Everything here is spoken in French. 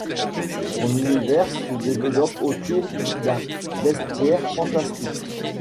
Son univers se développe autour d'un bestiaire fantastique.